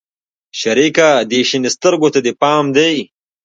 شريکه دې شين سترگو ته دې پام دى.